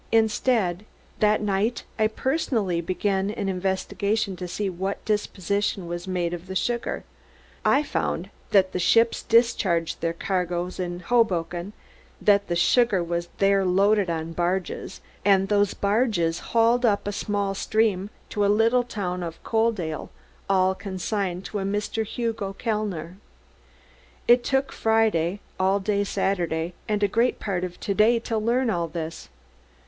Instead, that night I personally began an investigation to see what disposition was made of the sugar. I found that the ships discharged their cargoes in Hoboken, that the sugar was there loaded on barges, and those barges hauled up a small stream to the little town of Coaldale, all consigned to a Mr. Hugo Kellner. "It took Friday, all day Saturday, and a great part of to day to learn all this.